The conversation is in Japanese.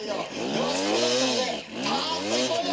よしこうなったらねパッといこうよ！